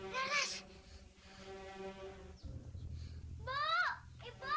yaudah yuk kita pulang